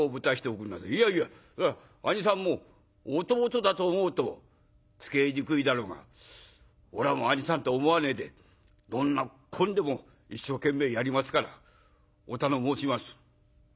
いやいや兄さんも弟だと思うと使えにくいだろうがおらも兄さんと思わねえでどんなこんでも一生懸命やりますからお頼申します」。